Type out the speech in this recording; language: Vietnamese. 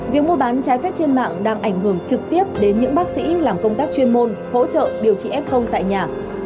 việc mua bán trái phép trên mạng đang ảnh hưởng trực tiếp đến những bác sĩ làm công tác chuyên môn hỗ trợ điều trị f tại nhà